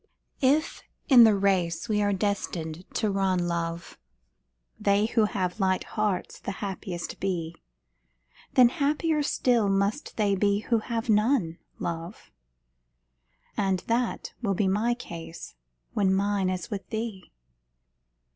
If in the race we are destined to run, love, They who have light hearts the happiest be, Then happier still must be they who have none, love. And that will be my case when mine is with thee.